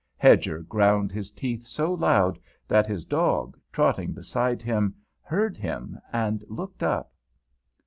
Hedger ground his teeth so loud that his dog, trotting beside him, heard him and looked up.